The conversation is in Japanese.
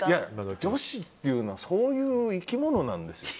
女子っていうのはそういう生き物なんですよ。